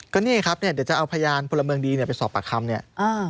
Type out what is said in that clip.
ก็นี่ครับเดี๋ยวจะเอาพยานพลเมิงดีไปสอบปากคำ